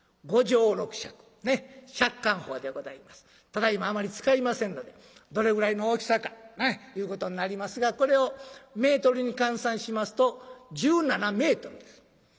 ただいまあまり使いませんのでどれぐらいの大きさかいうことになりますがこれをメートルに換算しますと１７メートルです。